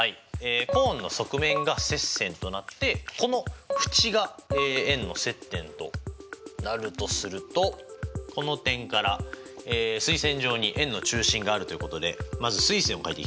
コーンの側面が接線となってこの縁が円の接点となるとするとこの点から垂線上に円の中心があるということでまず垂線を描いていきたいと思います。